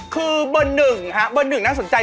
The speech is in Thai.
คือเบอร์หนึ่งฮะเบอร์หนึ่งน่าสนใจ